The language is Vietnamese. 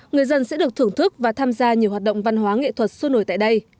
người dân sẽ được thưởng thức và tham gia nhiều hoạt động văn hóa nghệ thuật xuân nổi tại đây